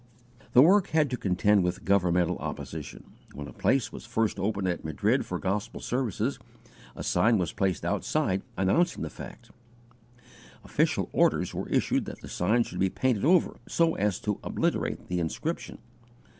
The work had to contend with governmental opposition. When a place was first opened at Madrid for gospel services, a sign was placed outside, announcing the fact. Official orders were issued that the sign should be painted over, so as to obliterate the inscription.